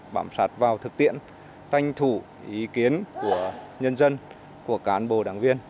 bảm sát vào thực tiện tranh thủ ý kiến của nhân dân của cán bồ đảng viên